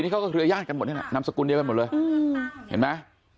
นี่เขาก็เครือญาติกันหมดนี่แหละนามสกุลเดียวกันหมดเลยเห็นไหม